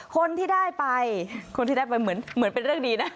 คนที่ได้ไปคนที่ได้ไปเหมือนเป็นเรื่องดีนะ